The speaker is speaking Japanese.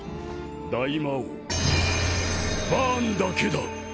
大魔王バーンだけだ。